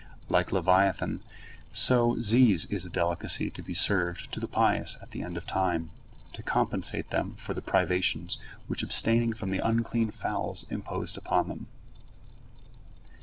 Like leviathan, so ziz is a delicacy to be served to the pious at the end of time, to compensate them for the privations which abstaining from the unclean fowls imposed upon them.